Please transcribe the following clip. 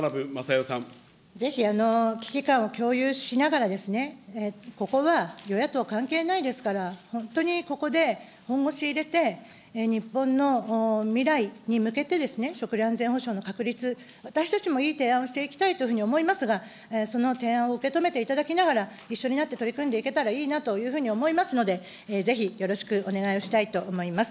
ぜひ、危機感を共有しながら、ここは与野党関係ないですから、本当にここで本腰入れて、日本の未来に向けて、食料安全保障の確立、私たちもいい提案をしていきたいというふうに思いますが、その点を受け止めていただきながら、一緒になって取り組んでいけたらいいなというふうに思いますので、ぜひよろしくお願いをしたいと思います。